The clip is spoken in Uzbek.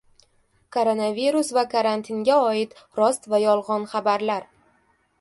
Koronavirus va karantinga oid rost va yolg‘on xabarlar